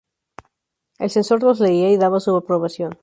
El censor los leía y daba su aprobación.